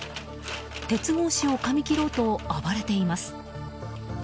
鉄格子をかみ切ろうと暴れています。